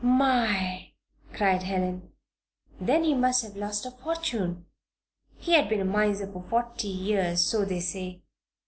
"My!" cried Helen. "Then he must have lost a fortune! He has been a miser for forty years, so they say."